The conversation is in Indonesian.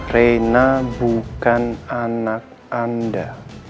reina bukan anak anda